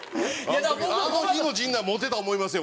あの日の陣内モテた思いますよ